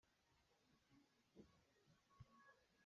Na bah ahcun naa khawngdeng sual lai.